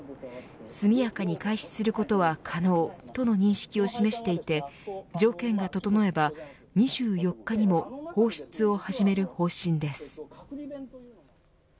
速やかに開始することは可能との認識を示していて、条件が整えば２４日にも放出を始める方針です。